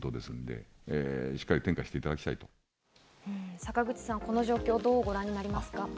坂口さん、この状況をどうご覧になりますか？